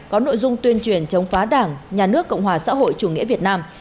có nội dung tuyên truyền chống phá đảng nhà nước cộng hòa xã hội chủ nghĩa việt nam